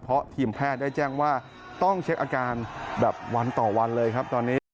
เพราะทีมแพทย์ได้แจ้งว่าต้องเช็คอาการแบบวันต่อวันเลยครับตอนนี้